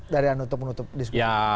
darian untuk menutup diskusi